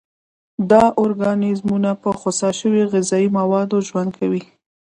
دا ارګانیزمونه په خوسا شوي غذایي موادو ژوند کوي.